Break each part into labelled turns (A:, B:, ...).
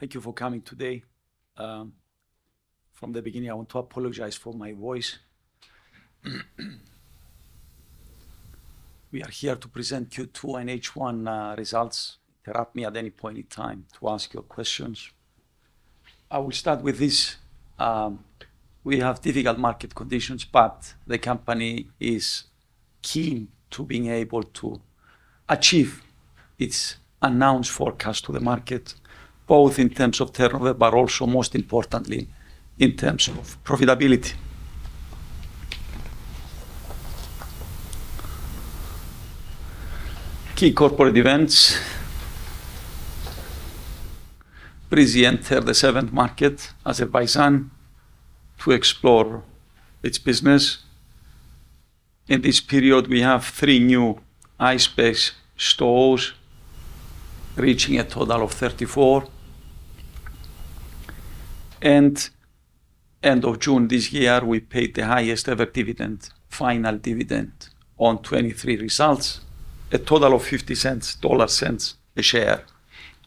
A: Thank you for coming today. From the beginning, I want to apologize for my voice. We are here to present Q2 and H1 results. Interrupt me at any point in time to ask your questions. I will start with this. We have difficult market conditions, but the company is keen to being able to achieve its announced forecast to the market, both in terms of turnover, but also most importantly, in terms of profitability. Key corporate events. Breezy entered the seventh market, Azerbaijan, to explore its business. In this period, we have new iSpace stores reaching a total of 34. End of June this year, we paid the highest ever dividend, final dividend on 2023 results, a total of $0.50 a share,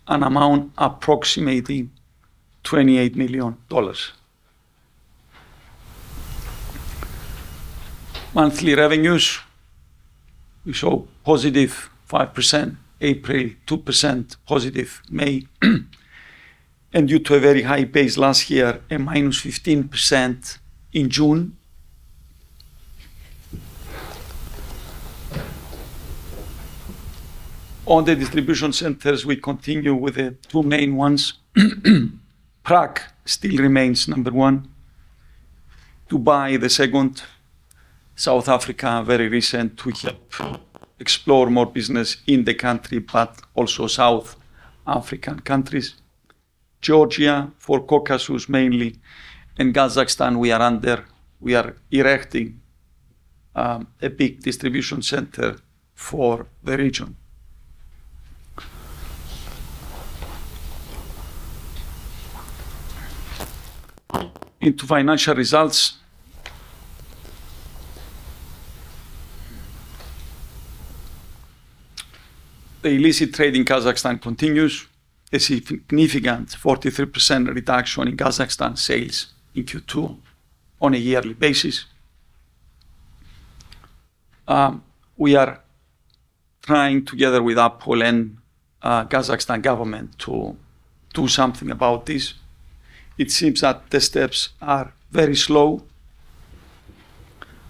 A: an amount approximately $28 million. Monthly revenues, we show positive 5%, April 2% positive, May, and due to a very high base last year, -15% in June. On the distribution centers, we continue with the two main ones. Prague still remains number one, Dubai the second, South Africa very recent to help explore more business in the country, but also South African countries. Georgia for Caucasus mainly. In Kazakhstan, we are erecting a big distribution center for the region. Into financial results. The illicit trade in Kazakhstan continues. A significant 43% reduction in Kazakhstan sales in Q2 on a yearly basis. We are trying together with Apple and Kazakhstan government to do something about this. It seems that the steps are very slow.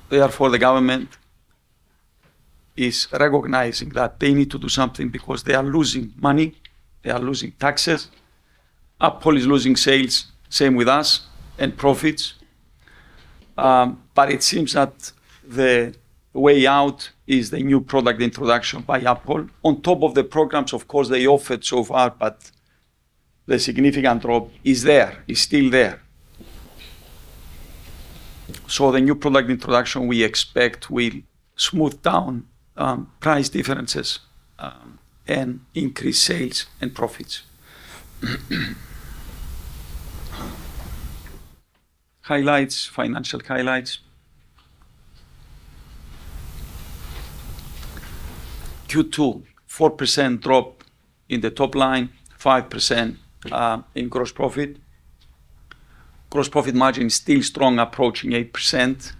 A: Therefore, the government is recognizing that they need to do something because they are losing money, they are losing taxes. Apple is losing sales, same with us, and profits. It seems that the way out is the new product introduction by Apple. On top of the programs, of course, they offered so far, but the significant drop is there. It's still there. The new product introduction we expect will smooth down price differences and increase sales and profits. Highlights, financial highlights. Q2, 4% drop in the top line, 5% in gross profit. Gross profit margin is still strong, approaching 8%.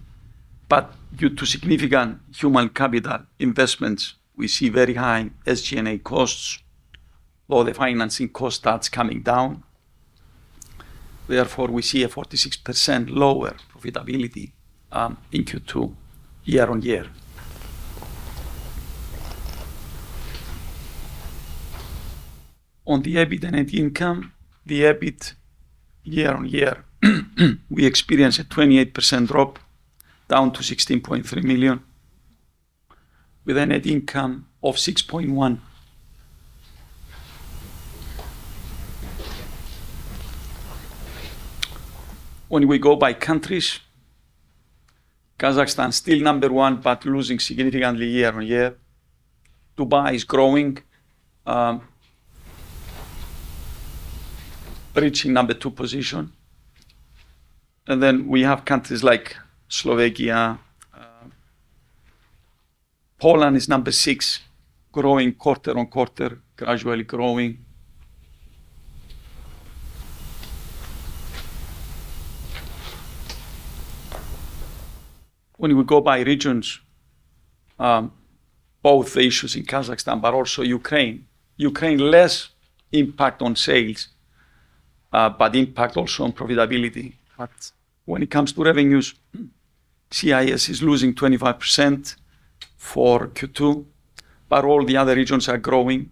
A: Due to significant human capital investments, we see very high SG&A costs, while the financing cost starts coming down. Therefore, we see a 46% lower profitability in Q2 year-on-year. On the EBIT and net income, the EBIT year-over-year, we experienced a 28% drop, down to $16.3 million, with a net income of $6.1 million. When we go by countries, Kazakhstan still number one, but losing significantly year-over-year. Dubai is growing, reaching number two position. Then we have countries like Slovakia. Poland is number six, growing quarter-over-quarter, gradually growing. When we go by regions, both the issues in Kazakhstan, but also Ukraine. Ukraine, less impact on sales, but impact also on profitability. When it comes to revenues, CIS is losing 25% for Q2, but all the other regions are growing.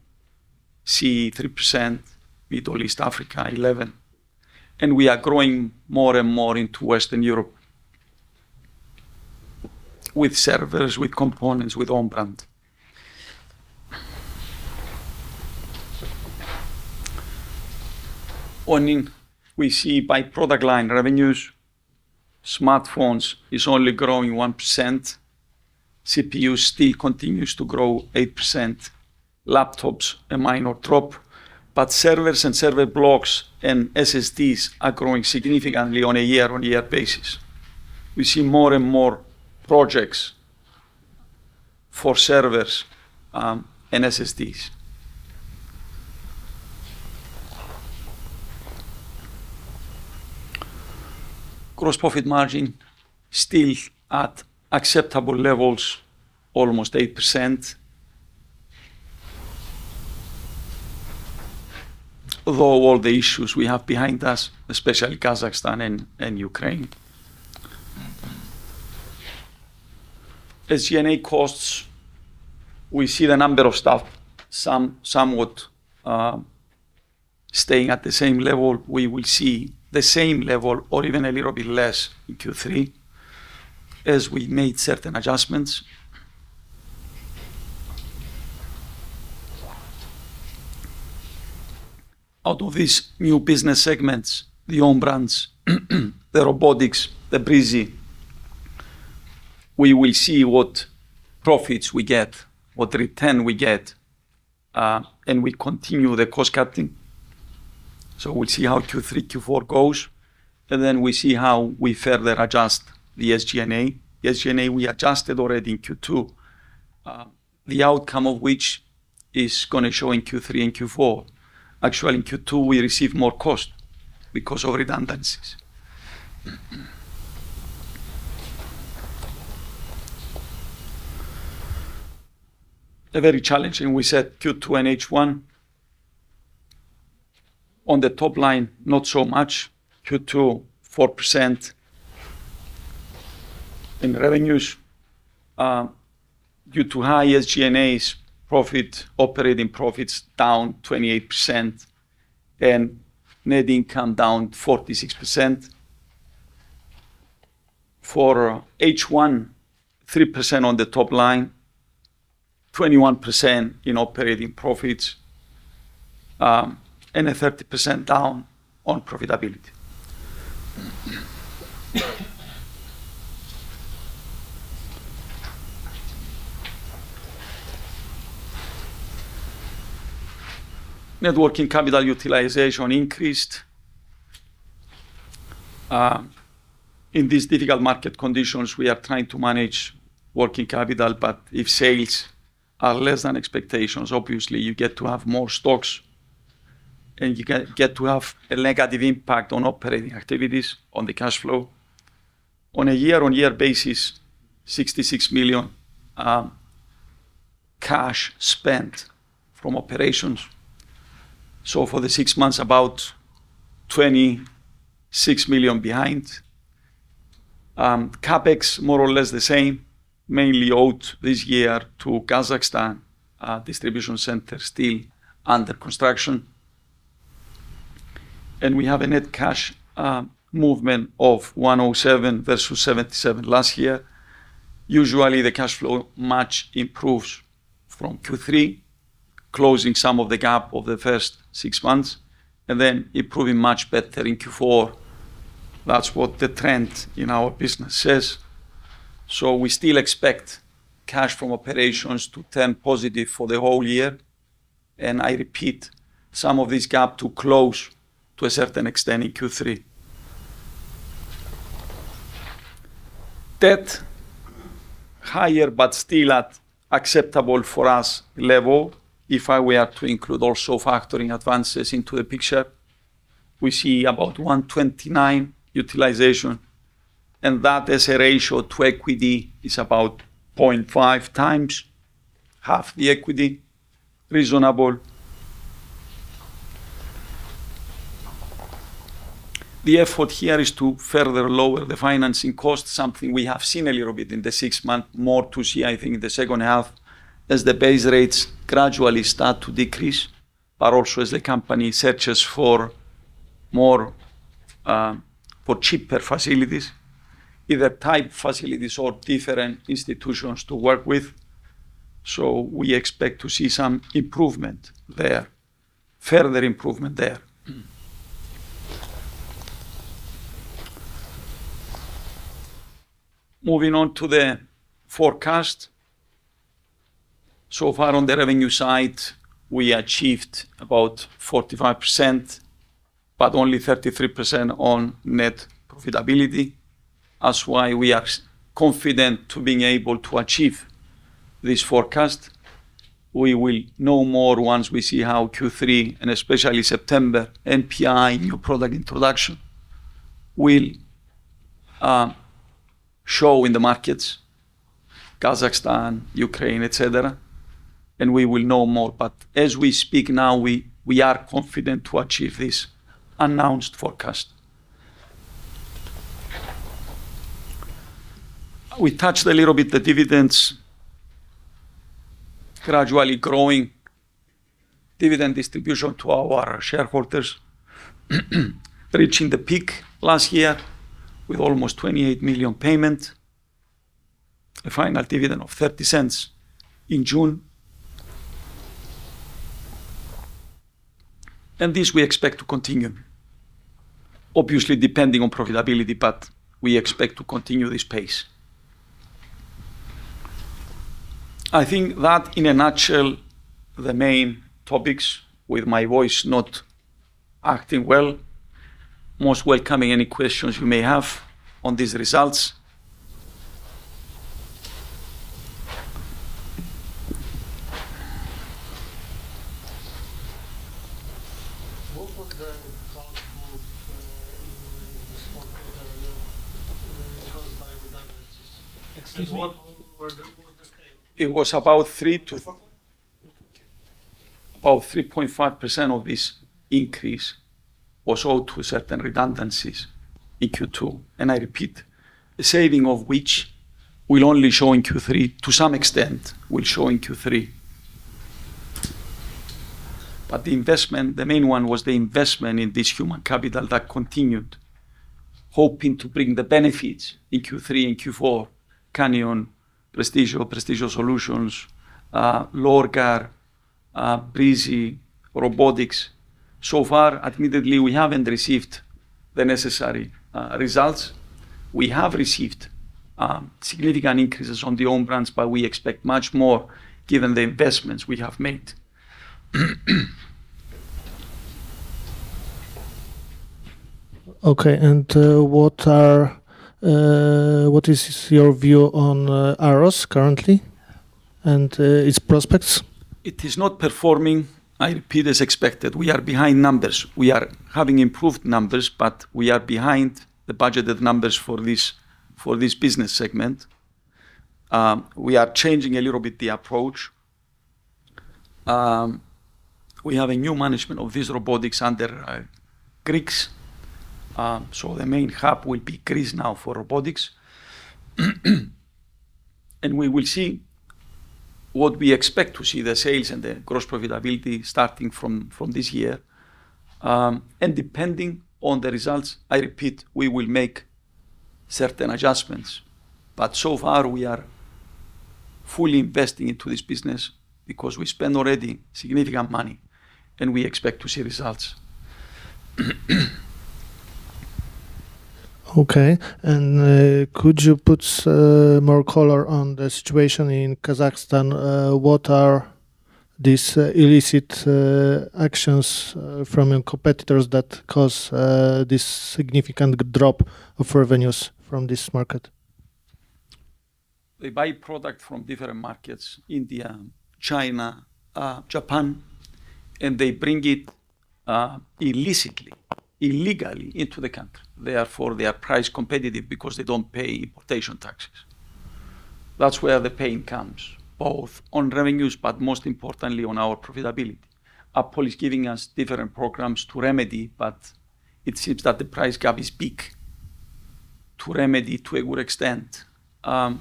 A: CE, 3%, Middle East, Africa, 11%. We are growing more and more into Western Europe with servers, with components, with own brand. When we see by product line revenues, smartphones is only growing 1%. CPU still continues to grow 8%. Laptops, a minor drop, but servers and server blocks and SSDs are growing significantly on a year-on-year basis. We see more and more projects for servers and SSDs. Gross profit margin still at acceptable levels, almost 8%. Although all the issues we have behind us, especially Kazakhstan and Ukraine. SG&A costs, we see the number of staff, somewhat staying at the same level. We will see the same level or even a little bit less in Q3 as we made certain adjustments. Out of these new business segments, the own brands, the robotics, the Breezy, we will see what profits we get, what return we get, and we continue the cost-cutting. We'll see how Q3, Q4 goes, and then we see how we further adjust the SG&A. The SG&A we adjusted already in Q2, the outcome of which is gonna show in Q3 and Q4. Actually, in Q2, we received more costs because of redundancies. A very challenging, we said Q2 and H1. On the top line, not so much. Q2, 4% in revenues due to high SG&A profit. Operating profits down 28% and net income down 46%. For H1, 3% on the top line, 21% in operating profits, and a 30% down on profitability. Net working capital utilization increased. In these difficult market conditions we are trying to manage working capital, but if sales are less than expectations, obviously you get to have more stocks, and you get to have a negative impact on operating activities on the cash flow. On a year-on-year basis, $66 million cash spent from operations. For the six months, about $26 million behind. CapEx, more or less the same, mainly owed this year to Kazakhstan distribution center still under construction. We have a net cash movement of $107 versus $77 last year. Usually, the cash flow much improves from Q3, closing some of the gap of the first six months, and then improving much better in Q4. That's what the trend in our business says. We still expect cash from operations to turn positive for the whole year, and I repeat, some of this gap to close to a certain extent in Q3. Debt, higher, but still at acceptable for us level. If I were to include also factoring advances into the picture, we see about 129 utilization, and that as a ratio to equity is about 0.5x, half the equity, reasonable. The effort here is to further lower the financing cost, something we have seen a little bit in the six month. More to see, I think, in the second half as the base rates gradually start to decrease, but also as the company searches for more, for cheaper facilities, either type facilities or different institutions to work with. We expect to see some improvement there, further improvement there. Moving on to the forecast. Far on the revenue side, we achieved about 45%, but only 33% on net profitability. That's why we are confident to being able to achieve this forecast. We will know more once we see how Q3 and especially September NPI, new product introduction, will show in the markets Kazakhstan, Ukraine, et cetera, and we will know more. As we speak now, we are confident to achieve this announced forecast. We touched a little bit the dividends. Gradually growing dividend distribution to our shareholders. Reaching the peak last year with almost $28 million payment. A final dividend of $0.30 in June. This we expect to continue. Obviously, depending on profitability, but we expect to continue this pace. I think that, in a nutshell, the main topics with my voice not acting well. Most welcome any questions you may have on these results.
B: What was the cause of the small data loss caused by redundancies?
A: Excuse me?
B: What were the-
A: It was about 3.5% of this increase was owed to certain redundancies in Q2. I repeat, the saving of which will only show in Q3, to some extent will show in Q3. The investment, the main one was the investment in this human capital that continued, hoping to bring the benefits in Q3 and Q4, Canyon, Prestigio or Prestigio Solutions, Lorgar, Breezy, Robotics. So far, admittedly, we haven't received the necessary results. We have received significant increases on the own brands, but we expect much more given the investments we have made.
C: Okay, what is your view on AROS currently and its prospects?
A: It is not performing, I repeat, as expected. We are behind numbers. We are having improved numbers, but we are behind the budgeted numbers for this business segment. We are changing a little bit the approach. We have a new management of this robotics under Greece. The main hub will be Greece now for robotics. We will see what we expect to see, the sales and the gross profitability starting from this year. Depending on the results, I repeat, we will make certain adjustments. So far we are fully investing into this business because we spend already significant money and we expect to see results.
C: Okay. Could you put more color on the situation in Kazakhstan? What are these illicit actions from your competitors that cause this significant GP drop of revenues from this market?
A: They buy product from different markets, India, China, Japan, and they bring it illicitly, illegally into the country. Therefore, they are price competitive because they don't pay importation taxes. That's where the pain comes, both on revenues, but most importantly on our profitability. Apple is giving us different programs to remedy, but it seems that the price gap is big to remedy to a good extent. The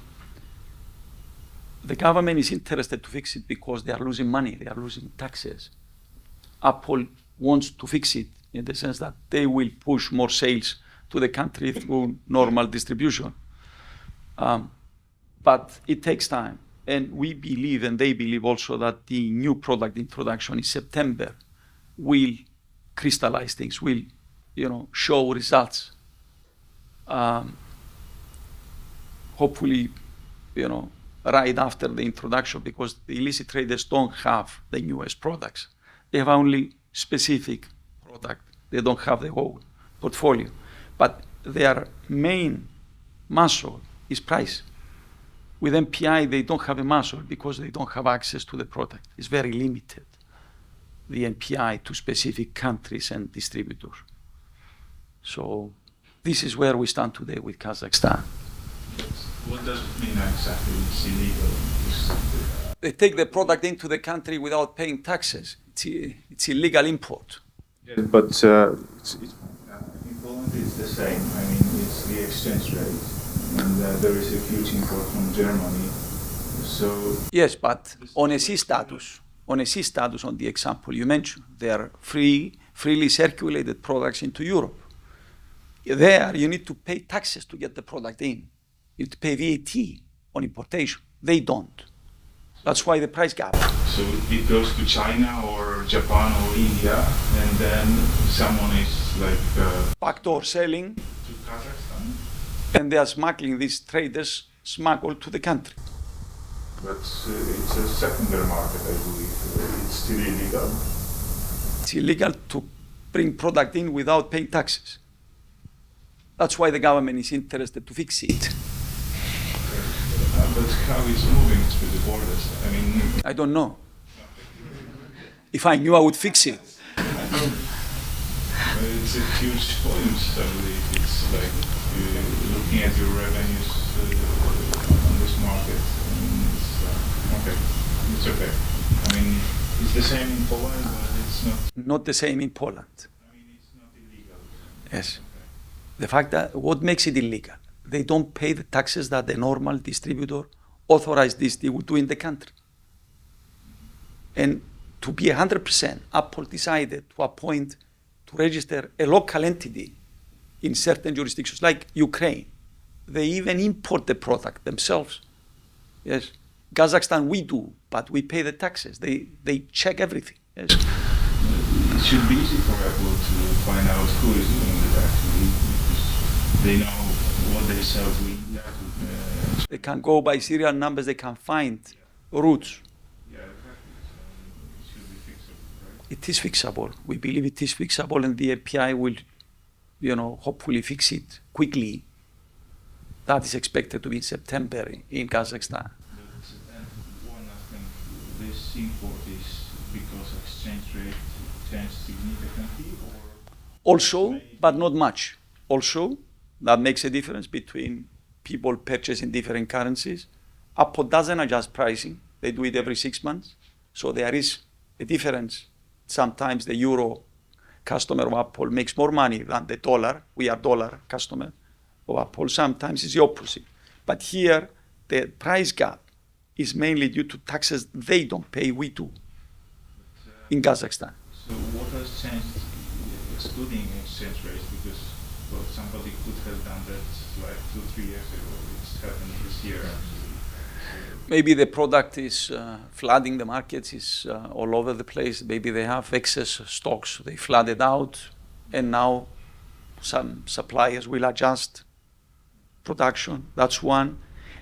A: government is interested to fix it because they are losing money, they are losing taxes. Apple wants to fix it in the sense that they will push more sales to the country through normal distribution. It takes time, and we believe, and they believe also that the new product introduction in September will crystallize things, will, you know, show results, hopefully, you know, right after the introduction because the illicit traders don't have the newest products. They have only specific product. They don't have the whole portfolio. Their main muscle is price. With NPI, they don't have a muscle because they don't have access to the product. It's very limited, the NPI to specific countries and distributors. This is where we stand today with Kazakhstan.
B: What does it mean exactly it's illegal? Because
A: They take the product into the country without paying taxes. It's illegal import.
B: In Poland, it's the same. I mean, it's the exchange rate, and there is a huge import from Germany.
A: Yes, on a C status on the example you mentioned. They are free, freely circulated products into Europe. There, you need to pay taxes to get the product in. You have to pay VAT on importation. They don't. That's why the price gap.
B: It goes to China or Japan or India, and then someone is like.
A: Backdoor selling
B: to Kazakhstan?
A: They are smuggling these traders, smuggled to the country.
B: It's a secondary market, I believe. It's still illegal?
A: It's illegal to bring product in without paying taxes. That's why the government is interested to fix it.
B: Okay. How it's moving through the borders? I mean-
A: I don't know. If I knew, I would fix it.
B: I know. It's a huge volume, certainly. It's like, looking at your revenues, on this market, I mean, it's okay. It's okay. I mean, it's the same in Poland, but it's not.
A: Not the same in Poland.
B: I mean, it's not illegal.
A: Yes.
B: Okay.
A: What makes it illegal? They don't pay the taxes that the normal distributor, authorized distributor would do in the country. To be 100%, Apple decided to appoint, to register a local entity in certain jurisdictions, like Ukraine. They even import the product themselves. Yes. Kazakhstan, we do, but we pay the taxes. They check everything. Yes.
B: It should be easy for Apple to find out who is doing that. They know what they sell to.
A: They can go by serial numbers. They can find routes.
B: Yeah. It happens. I mean, it should be fixable, right?
A: It is fixable. We believe it is fixable, and the NPI will, you know, hopefully fix it quickly. That is expected to be in September in Kazakhstan.
B: One last thing. The reason for this because exchange rate changed significantly, or?
A: Not much. That makes a difference between people purchasing different currencies. Apple doesn't adjust pricing. They do it every six months, so there is a difference. Sometimes the euro customer of Apple makes more money than the dollar. We are dollar customer of Apple. Sometimes it's the opposite. Here, the price gap is mainly due to taxes they don't pay, we do.
D: But, uh-
A: In Kazakhstan.
D: What has changed excluding exchange rates? Because well, somebody could have done that like two, three years ago. It's happening this year absolutely.
A: Maybe the product is flooding the markets. It's all over the place. Maybe they have excess stocks they flooded out, and now some suppliers will adjust production. That's one.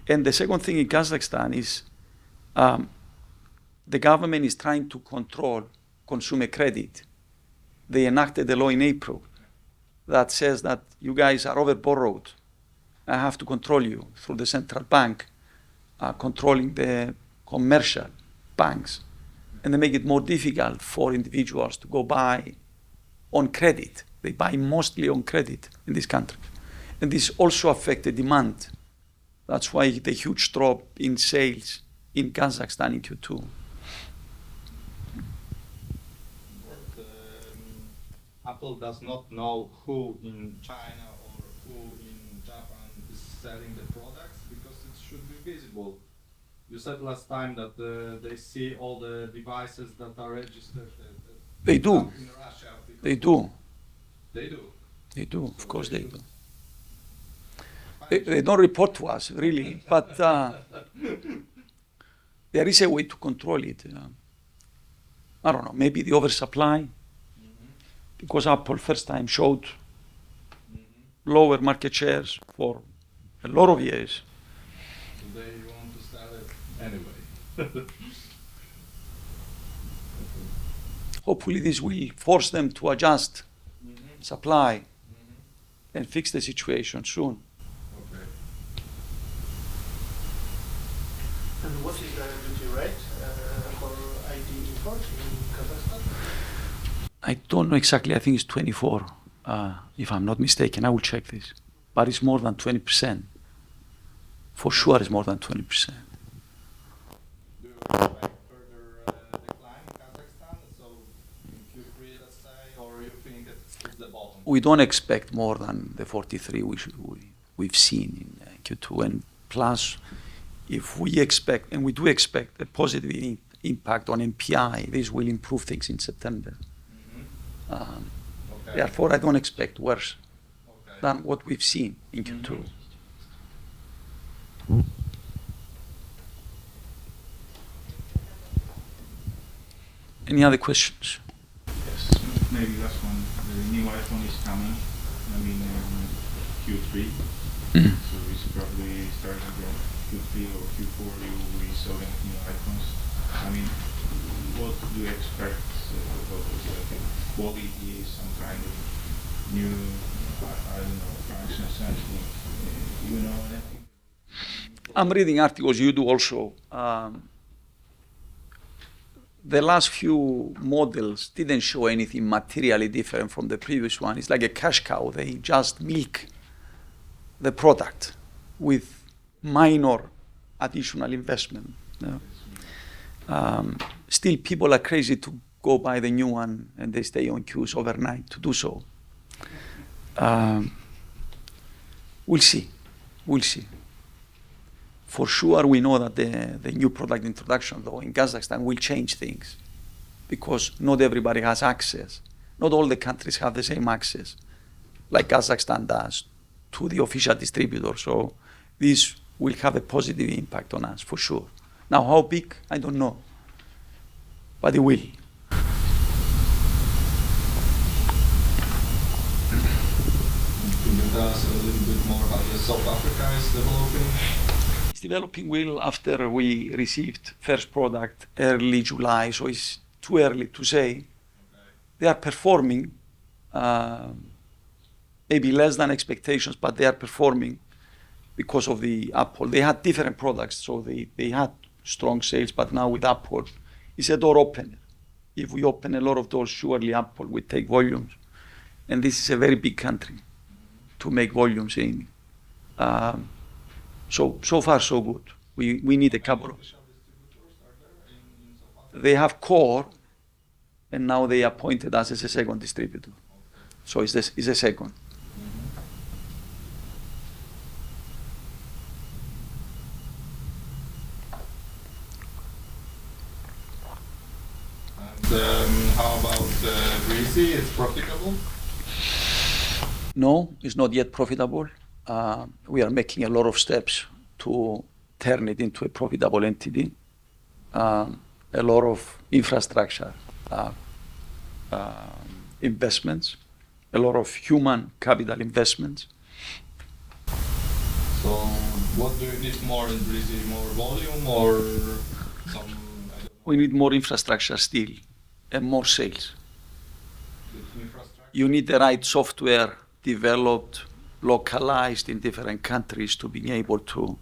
A: The second thing in Kazakhstan is the government is trying to control consumer credit. They enacted a law in April that says that you guys are over-borrowed. I have to control you through the central bank controlling the commercial banks, and they make it more difficult for individuals to go buy on credit. They buy mostly on credit in this country, and this also affect the demand. That's why the huge drop in sales in Kazakhstan in Q2.
D: Apple does not know who in China or who in Japan is selling the products because it should be visible. You said last time that they see all the devices that are registered.
A: They do.
D: in Russia because.
A: They do.
D: They do?
A: They do. Of course they do.
D: So they...
A: They don't report to us really, but there is a way to control it. I don't know. Maybe the oversupply.
D: Mm-hmm.
A: Because Apple first time showed.
D: Mm-hmm
A: Lower market shares for a lot of years.
D: They want to sell it anyway.
A: Hopefully this will force them to adjust.
D: Mm-hmm...
A: supply-
D: Mm-hmm
A: fix the situation soon.
D: Okay.
E: What is the duty rate for IT import in Kazakhstan?
A: I don't know exactly. I think it's 24, if I'm not mistaken. I will check this. It's more than 20%. For sure it's more than 20%.
D: Do you expect further decline in Kazakhstan, so in Q3, let's say? Or you think it hits the bottom?
A: We don't expect more than the 43 we've seen in Q2. Plus, if we expect, and we do expect a positive impact on NPI, this will improve things in September.
D: Mm-hmm. Okay.
A: Therefore, I don't expect worse.
D: Okay
A: than what we've seen in Q2. Any other questions? Yes.
D: Maybe last one. The new iPhone is coming, I mean, in Q3. It's probably starting from Q3 or Q4, you will be selling new iPhones. I mean, what do you expect Apple to do? I think quality is some kind of new, I don't know, function, something. Do you know anything?
A: I'm reading articles. You do also. The last few models didn't show anything materially different from the previous one. It's like a cash cow. They just milk the product with minor additional investment. You know? Still, people are crazy to go buy the new one, and they stay on queues overnight to do so. We'll see. For sure, we know that the new product introduction, though, in Kazakhstan will change things because not everybody has access. Not all the countries have the same access like Kazakhstan does to the official distributor. This will have a positive impact on us, for sure. Now, how big? I don't know. It will.
D: Can you tell us a little bit more how the South Africa is developing?
A: It's developing well after we received first product early July, so it's too early to say.
D: Okay.
A: They are performing maybe less than expectations, but they are performing because of the Apple. They had different products, so they had strong sales. Now with Apple, it's a door open. If we open a lot of doors, surely Apple will take volumes, and this is a very big country to make volumes in. So far so good. We need a couple of-
D: Official distributors are there in South Africa?
A: They have Core Group, and now they appointed us as a second distributor.
D: Okay.
A: It's the second.
D: Mm-hmm. How about Greece? It's profitable?
A: No, it's not yet profitable. We are making a lot of steps to turn it into a profitable entity. A lot of infrastructure investments. A lot of human capital investments.
D: What do you need more in BrBreezy? More volume or I don't know.
A: We need more infrastructure still, and more sales.
D: With infrastructure.
A: You need the right software developed, localized in different countries to be able to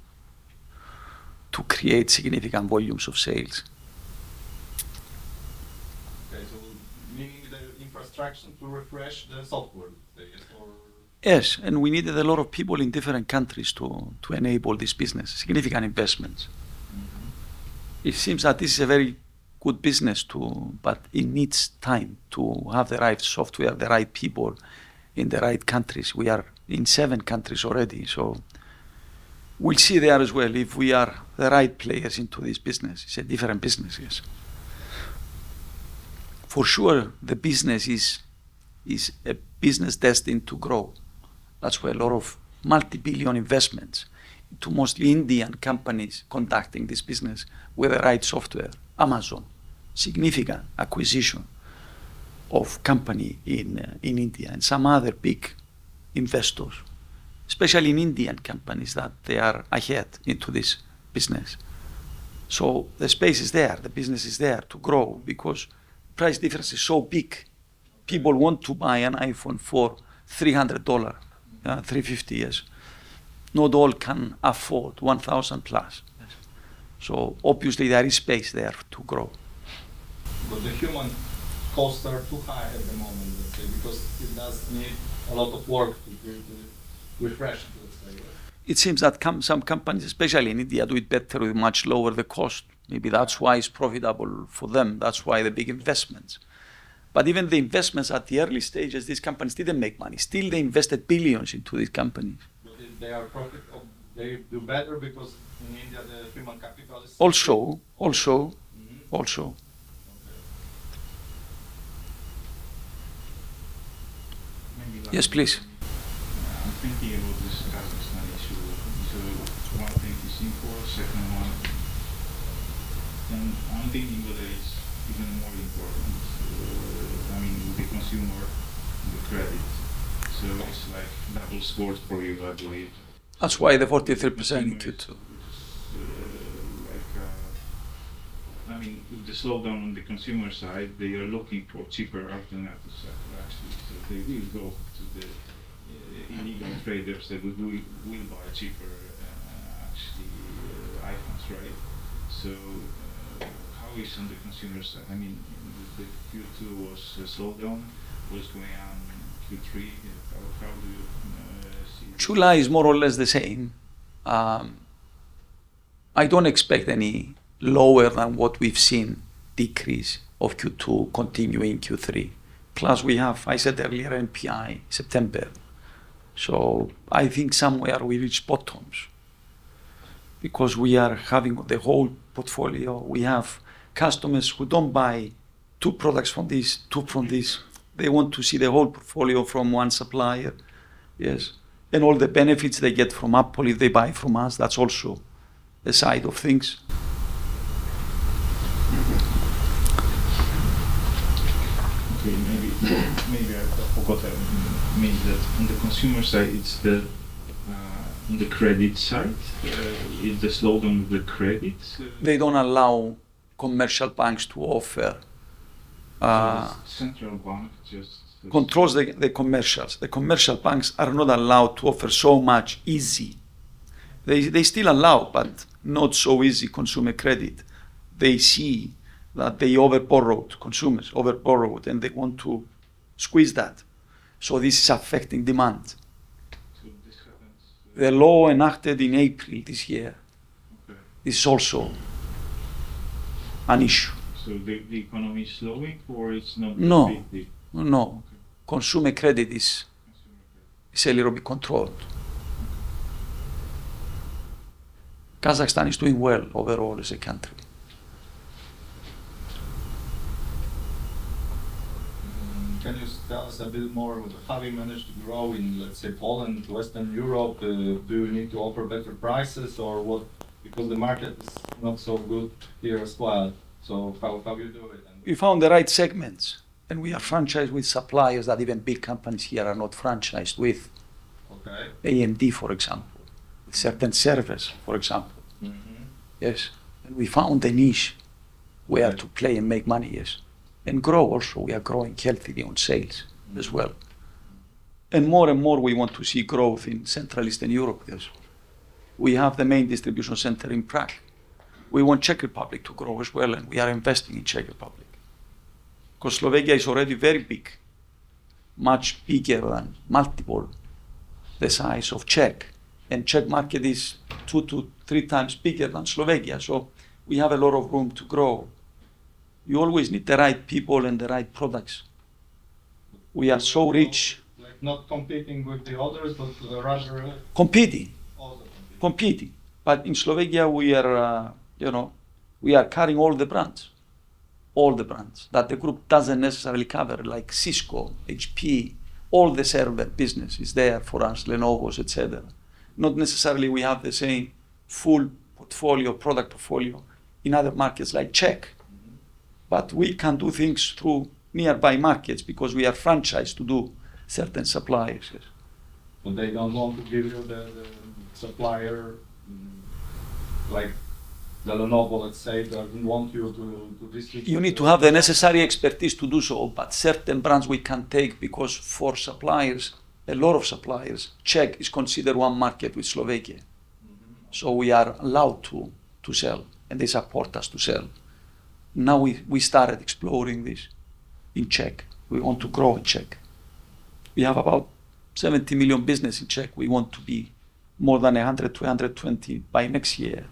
A: create significant volumes of sales.
D: Okay. You need the infrastructure to refresh the software, let's say? Or.
A: Yes, we needed a lot of people in different countries to enable this business. Significant investments.
D: Mm-hmm.
A: It seems that this is a very good business to. It needs time to have the right software, the right people in the right countries. We are in seven countries already, so we'll see there as well if we are the right players into this business. It's a different business, yes. For sure, the business is a business destined to grow. That's why a lot of multi-billion investments to mostly Indian companies conducting this business with the right software. Amazon, significant acquisition of company in India and some other big investors. Especially Indian companies, that they are ahead into this business. The space is there, the business is there to grow because price difference is so big. People want to buy an iPhone for $300, $350, yes. Not all can afford $1,000+.
D: Yes.
A: Obviously there is space there to grow.
D: The human costs are too high at the moment, let's say, because it does need a lot of work to do the refresh, let's say. Yeah.
A: It seems that some companies, especially in India, do it better with much lower the cost. Maybe that's why it's profitable for them. That's why the big investments. Even the investments at the early stages, these companies didn't make money. Still they invested $billions into these companies.
D: They do better because in India the human capital is.
A: Also.
D: Mm-hmm.
A: Also.
D: Okay.
A: Yes, please.
D: I'm thinking about this Kazakhstan issue. One thing is import. Second one thing whether it's even more important, I mean with the consumer, the credit service, like double score for you, I believe.
A: That's why the 43%, it's.
D: Like, I mean, with the slowdown on the consumer side, they are looking for cheaper alternatives actually. They will go to the illegal traders. They will buy cheaper, actually, iPhones, right? How is on the consumer side? I mean, the Q2 was a slowdown. What's going on in Q3? How do you see-
A: July is more or less the same. I don't expect any lower than what we've seen. Decrease of Q2 continue in Q3. Plus we have, I said earlier, NPI September. I think somewhere we reach bottoms because we are having the whole portfolio. We have customers who don't buy two products from this. They want to see the whole portfolio from one supplier. Yes. All the benefits they get from Apple if they buy from us, that's also a side of things.
D: Mm-hmm. Okay, maybe I forgot, maybe that on the consumer side, on the credit side is the slowdown with credits.
A: They don't allow commercial banks to offer.
D: It's central bank.
A: Controls the commercials. The commercial banks are not allowed to offer so easy. They still allow, but not so easy consumer credit. They see that they over-borrowed, consumers over-borrowed, and they want to squeeze that. This is affecting demand.
D: This happens.
A: The law enacted in April this year.
D: Okay
A: is also an issue.
D: The economy is slowing or it's not completely.
A: No. No.
D: Okay.
A: Consumer credit is.
D: Consumer credit
A: is a little bit controlled. Kazakhstan is doing well overall as a country.
D: Can you tell us a bit more with how you managed to grow in, let's say, Poland, Western Europe? Do you need to offer better prices or what? Because the market is not so good here as well. How you do it and
A: We found the right segments, and we are franchised with suppliers that even big companies here are not franchised with.
D: Okay.
A: AMD, for example. Certain servers, for example.
D: Mm-hmm.
A: Yes. We found a niche where to play and make money. Yes. Grow also. We are growing healthily on sales as well. More and more we want to see growth in Central and Eastern Europe as well. We have the main distribution center in Prague. We want Czech Republic to grow as well, and we are investing in Czech Republic 'cause Slovakia is already very big. Much bigger than multiple times the size of the Czech, and Czech market is 2-3 times bigger than Slovakia. We have a lot of room to grow. You always need the right people and the right products. We are so rich.
D: Like not competing with the others, but rather.
A: Competing.
D: Also competing.
A: In Slovakia we are carrying all the brands. All the brands that the group doesn't necessarily cover, like Cisco, HP, all the server business is there for us, Lenovo, et cetera. Not necessarily we have the same full portfolio, product portfolio in other markets like Czech.
E: Mm-hmm.
A: We can do things through nearby markets because we are franchised to do certain suppliers, yes.
E: They don't want to give you the supplier, like the Lenovo, let's say, they don't want you to distribute.
A: You need to have the necessary expertise to do so, but certain brands we can take because for suppliers, a lot of suppliers, Czech is considered one market with Slovakia.
E: Mm-hmm.
A: We are allowed to sell, and they support us to sell. Now we started exploring this in Czech. We want to grow in Czech. We have about $70 million business in Czech. We want to be more than 100-120 by next year,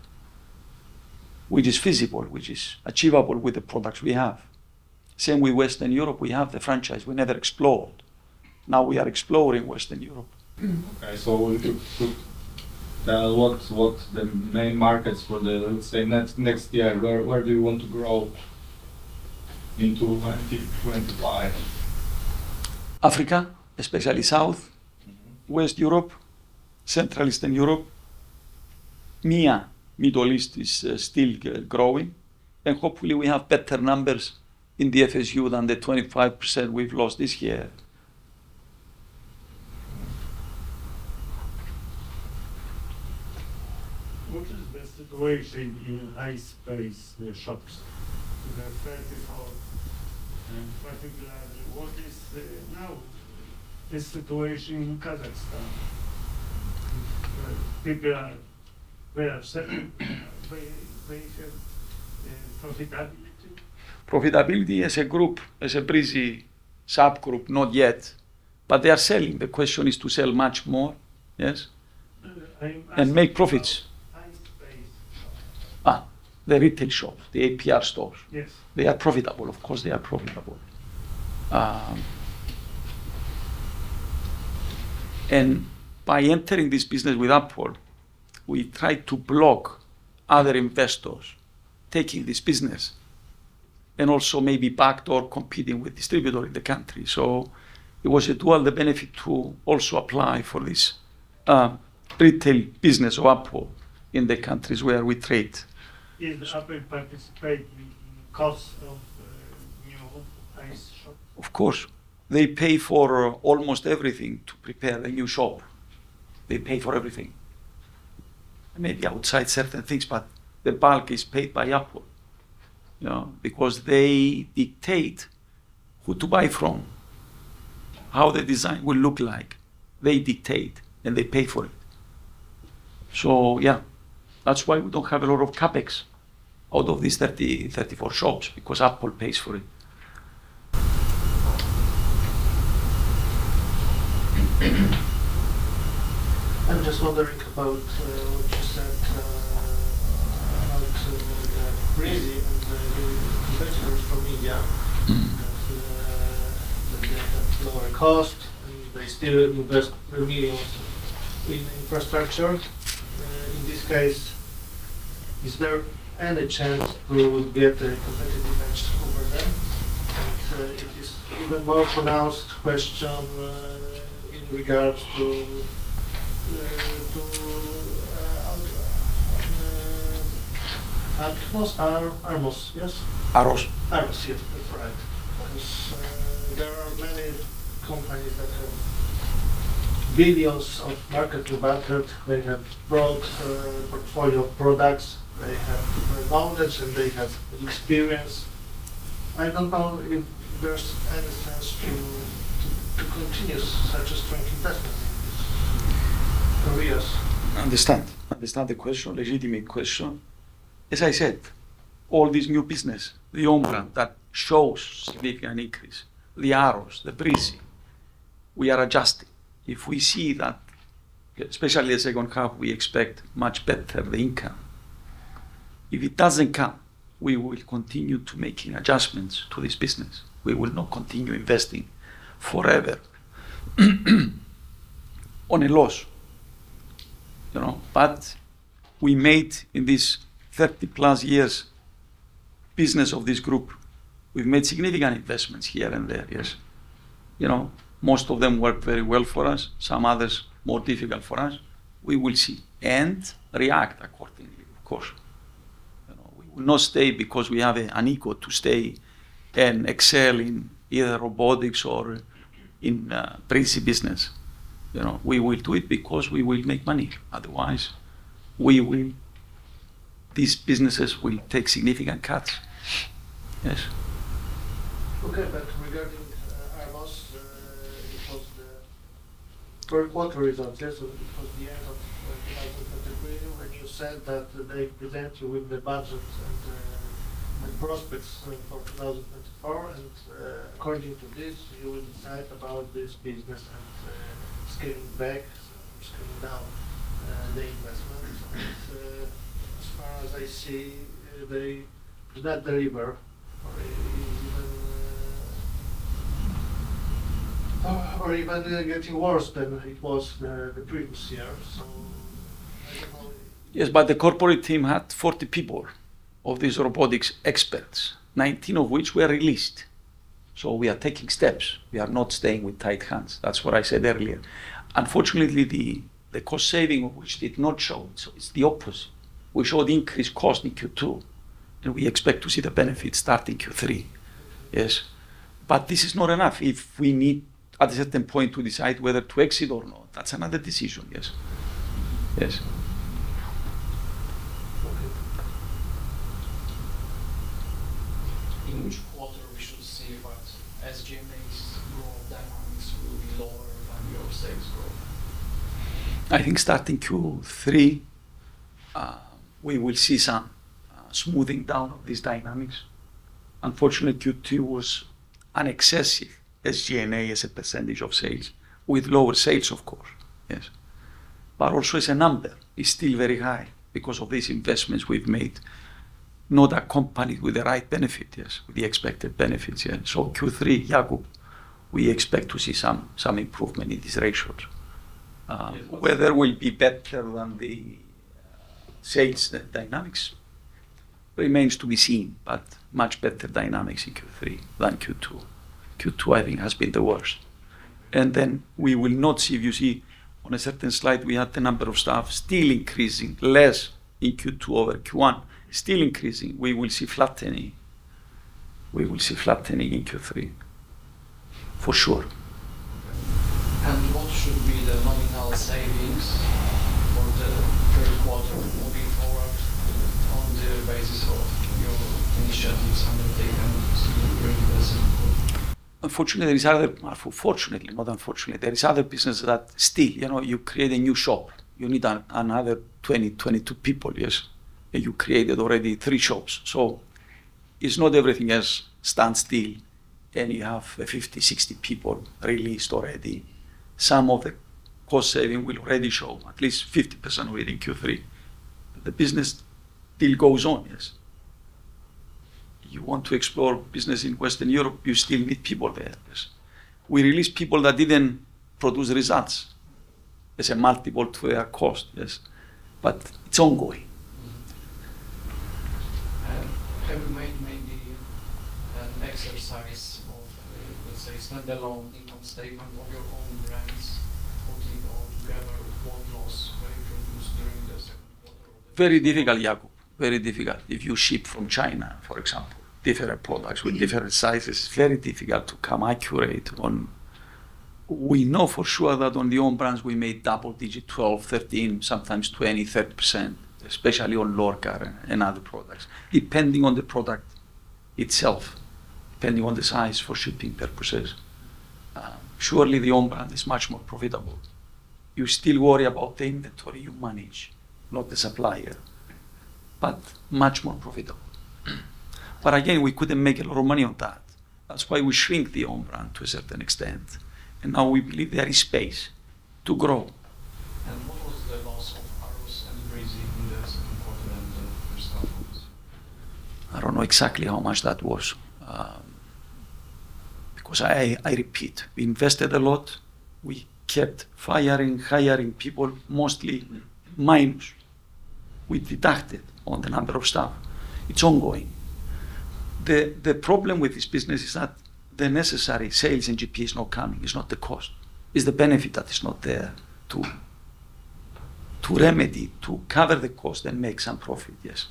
A: which is feasible, which is achievable with the products we have. Same with Western Europe, we have the franchise we never explored. Now we are exploring Western Europe.
E: Okay, if you could, what's the main markets for the, let's say, next year? Where do you want to grow into 2025?
A: Africa, especially South.
E: Mm-hmm.
A: West Europe, Central Eastern Europe. MEA, Middle East is still growing, and hopefully we have better numbers in the FSU than the 25% we've lost this year.
E: What is the situation in iSpace, the shops? The 34, and particularly, what is now the situation in Kazakhstan? People are they are selling? They have profitability?
A: Profitability as a group, as a Breezy subgroup, not yet, but they are selling. The question is to sell much more, yes?
E: No, no, I'm asking about.
A: Make profits.
E: iSpace shops.
A: The retail shop, the APR stores.
E: Yes.
A: They are profitable. Of course, they are profitable. By entering this business with Apple, we tried to block other investors taking this business and also maybe backdoor competing with distributor in the country. It was a dual benefit to also apply for this retail business of Apple in the countries where we trade.
E: Is Apple participating in cost of new iSpace shop?
A: Of course. They pay for almost everything to prepare a new shop. They pay for everything. Maybe outside certain things, but the bulk is paid by Apple, you know. Because they dictate who to buy from, how the design will look like. They dictate, and they pay for it. Yeah, that's why we don't have a lot of CapEx out of these 30-34 shops, because Apple pays for it.
E: I'm just wondering about what you said about Breezy and the new competitors from India that they have lower cost, and they still invest $ millions in infrastructure. In this case, is there any chance you would get a competitive edge over them? It is even more pronounced question in regards to the AROS, yes?
A: AROS.
E: AROS, yes, that's right. 'Cause there are many companies that have billions of market to battle. They have broad portfolio of products. They have foundries, and they have experience. I don't know if there's any sense to continue such a strong investment in these areas.
A: Understand the question. Legitimate question. As I said, all this new business, the own brand that shows significant increase, the AROS, the Breezy, we are adjusting. If we see that, especially the second half, we expect much better income. If it doesn't come, we will continue to making adjustments to this business. We will not continue investing forever on a loss, you know. We made, in these 30+ years business of this group, we've made significant investments here and there, yes. You know, most of them work very well for us, some others more difficult for us. We will see and react accordingly, of course. You know, we will not stay because we have an ego to stay and excel in either robotics or in Breezy business. You know, we will do it because we will make money. Otherwise, these businesses will take significant cuts. Yes.
E: Okay, regarding AROS, it was the third quarter result, yes. It was the end of 2023 when you said that they present you with the budget and prospects for 2024, and according to this, you will decide about this business and scaling back or scaling down the investments. As far as I see, they did not deliver or even they're getting worse than it was the previous years. I don't know if-
A: Yes, the corporate team had 40 people of these robotics experts, 19 of which were released. We are taking steps. We are not staying with tight hands. That's what I said earlier. Unfortunately, the cost saving, which did not show, so it's the opposite. We showed increased cost in Q2, and we expect to see the benefit start in Q3. Yes. This is not enough if we need at a certain point to decide whether to exit or not. That's another decision, yes. Yes.
F: Okay. In which quarter we should see that SG&A's growth dynamics will be lower than your sales growth?
A: I think starting Q3, we will see some smoothing down of these dynamics. Unfortunately, Q2 was excessive, SG&A as a percentage of sales, with lower sales of course. Also as a number, it's still very high because of these investments we've made, not accompanied with the right benefit, the expected benefits. Q3, Jakub, we expect to see some improvement in these ratios. Whether we'll be better than the sales dynamics remains to be seen, but much better dynamics in Q3 than Q2. Q2, I think, has been the worst. Then we will not see. If you see on a certain slide, we had the number of staff still increasing, less in Q2 over Q1. Still increasing. We will see flattening in Q3, for sure.
F: Okay. What should be the nominal savings for the third quarter moving forward on the basis of your initiatives undertaken during this-
A: Fortunately, not unfortunately, there is other business that still, you know, you create a new shop. You need another 22 people. Yes. You created already three shops. It's not everything else stands still, and you have 50, 60 people released already. Some of the cost saving will already show at least 50% within Q3. The business still goes on. Yes. You want to explore business in Western Europe, you still need people there. Yes. We release people that didn't produce results. There's a multiple to their cost. Yes. It's ongoing.
F: Have you made maybe an exercise of, let's say, standalone income statement of your own brands, putting all together what loss were introduced during the second quarter of?
A: Very difficult, Jakub. Very difficult. If you ship from China, for example, different products with different sizes, very difficult to come accurate on. We know for sure that on the own brands we made double digit 12, 13, sometimes 20, 30%, especially on Lorgar and other products, depending on the product itself, depending on the size for shipping purposes. Surely the own brand is much more profitable. You still worry about the inventory you manage, not the supplier, but much more profitable. But again, we couldn't make a lot of money on that. That's why we shrink the own brand to a certain extent, and now we believe there is space to grow.
F: What was the loss of AROS and Breezy in the second quarter and the first half?
A: I don't know exactly how much that was, because I repeat, we invested a lot. We kept firing, hiring people, mostly minus. We deducted on the number of staff. It's ongoing. The problem with this business is that the necessary sales and GP is not coming. It's not the cost. It's the benefit that is not there to remedy to cover the cost and make some profit. Yes.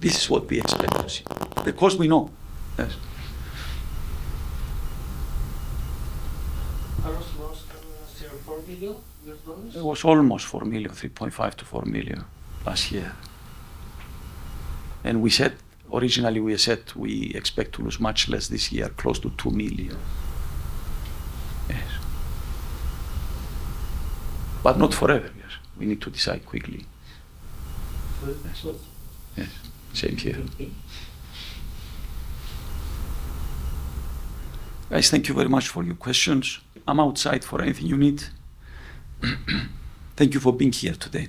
A: This is what we expect to see. The cost we know. Yes.
F: AROS loss was around $4 million, your promise?
A: It was almost $4 million, $3.5-$4 million last year. We said, originally we said we expect to lose much less this year, close to $2 million. Yes. Not forever. Yes. We need to decide quickly. Yes.
F: Good.
A: Yes. Same here. Guys, thank you very much for your questions. I'm outside for anything you need. Thank you for being here today.